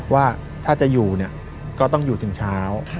ว่าถ้าจะอยู่เนี่ยก็ต้องอยู่ถึงเช้า